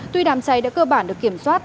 tuy đám cháy đã cơ bản được kiểm soát